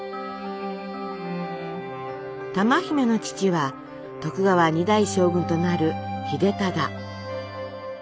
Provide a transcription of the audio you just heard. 珠姫の父は徳川２代将軍となる秀忠。